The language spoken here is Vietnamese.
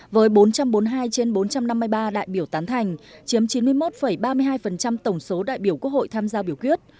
với bốn trăm bốn mươi hai trên bốn trăm năm mươi ba đại biểu tán thành chiếm chín mươi một ba mươi hai tổng số đại biểu quốc hội tham gia biểu quyết